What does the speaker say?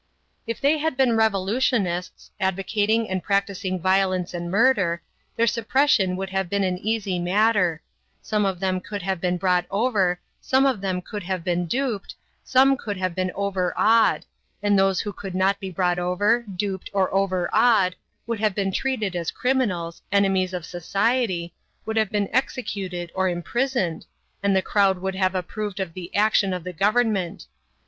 If they had been revolutionists, advocating and practicing violence and murder, their suppression would have been an easy matter; some of them could have been bought over, some could have been duped, some could have been overawed, and these who could not be bought over, duped, or overawed would have been treated as criminals, enemies of society, would have been executed or imprisoned, and the crowd would have approved of the action of the government.